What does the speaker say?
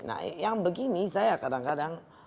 nah yang begini saya kadang kadang